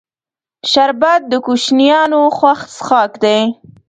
شربت د کوشنیانو خوښ څښاک دی